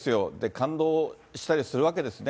感動したりするわけですね。